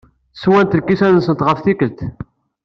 Swant lkisan-nsent ɣef tikkelt.